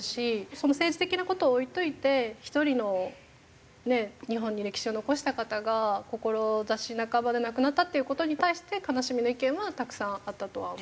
政治的な事は置いといて１人のねっ日本に歴史を残した方が志半ばで亡くなったっていう事に対して悲しみの意見はたくさんあったとは思います。